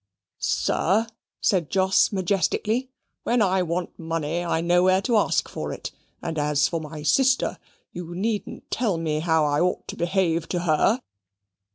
"Sir," said Jos, majestically, "when I want money, I know where to ask for it. And as for my sister, you needn't tell me how I ought to behave to her."